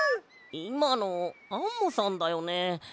いまのアンモさんだよね？